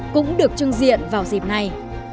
cũng được trưng diện vào dịp này